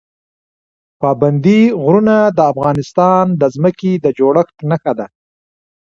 پابندي غرونه د افغانستان د ځمکې د جوړښت نښه ده.